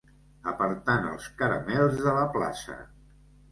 Apartant els caramels de la plaça.